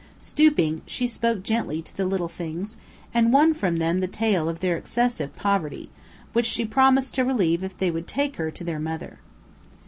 Stooping, she spoke gently to the little things, and won from them the tale of their excessive poverty, which she promised to relieve if they would take her to their mother.